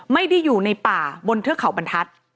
ไม่ได้อยู่ในป่าบนเทือกเขาบรรทัศน์